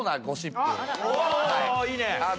おいいね。